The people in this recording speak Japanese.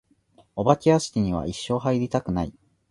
お化け屋敷には一生入りたくない。